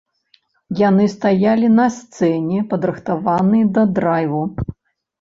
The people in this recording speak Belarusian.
Яны стаялі на сцэне, падрыхтаваныя да драйву.